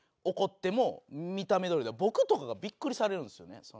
僕とかがビックリされるんですよね。